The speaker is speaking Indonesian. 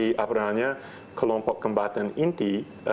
sebenarnya kelompok kembatan inti